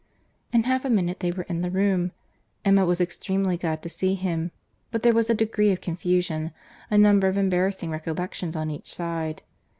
In half a minute they were in the room. Emma was extremely glad to see him—but there was a degree of confusion—a number of embarrassing recollections on each side.